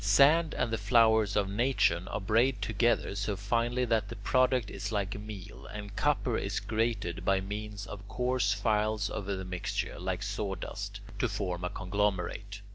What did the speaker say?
Sand and the flowers of natron are brayed together so finely that the product is like meal, and copper is grated by means of coarse files over the mixture, like sawdust, to form a conglomerate.